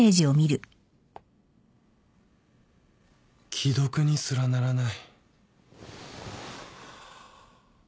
既読にすらならない。